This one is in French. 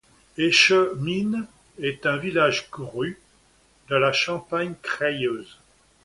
Échemines est un village-rue de la Champagne crayeuse.